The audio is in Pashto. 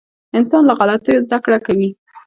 • انسان له غلطیو زده کړه کوي.